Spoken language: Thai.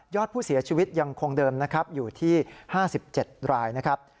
อดผู้เสียชีวิตยังคงเดิมนะครับอยู่ที่๕๗รายนะครับ